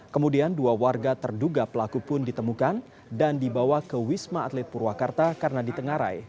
kemudian dua warga terduga pelaku pun ditemukan dan dibawa ke wisma atlet purwakarta karena ditengarai